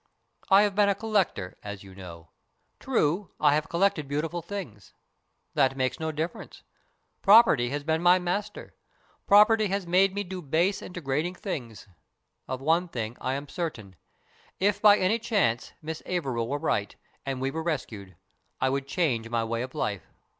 I have been a collector, as you know. True, I have collected beautiful things. That makes no difference. Property has been my master. Property has made me do base and de grading things. Of one thing I am certain. If BURDON'S TOMB 105 by any chance Miss Averil were right, and we were rescued, I would change my way of life.